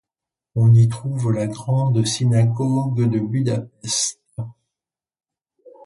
On y trouve la Grande Synagogue de Budapest.